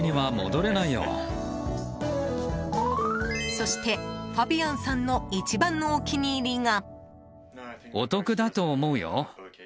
そして、ファビアンさんの一番のお気に入りが。